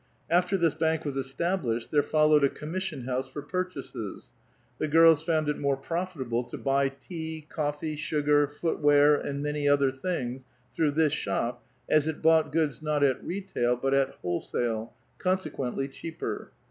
After this bank was established, there followed a ommission house for purchases ; the girls found it more rofttable to buy tea, coffee, sugar, foot wear, and many other liings through this shop, as it lK)ught goods not at retail but t wholesale, consequently cheaper.